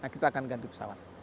kita akan ganti pesawat